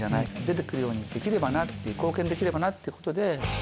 出て来るようにできればな貢献できればなっていうことで。